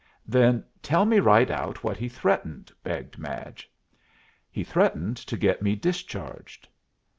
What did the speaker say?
"Then tell me right out what he threatened," begged Madge. "He threatened to get me discharged."